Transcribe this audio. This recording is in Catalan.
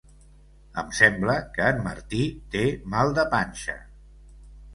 Em sembla que en Martí té mal de panxa.